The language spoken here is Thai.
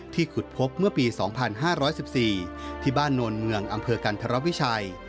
ขุดพบเมื่อปี๒๕๑๔ที่บ้านโนนเมืองอำเภอกันธรวิชัย